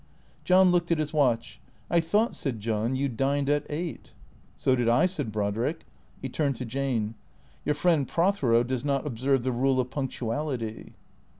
John looked at his watch. " I thought," said John, " you dined at eight," " So did I," said Brodrick. He turned to Jane. " Your friend Prothero does not observe the rule of punctuality."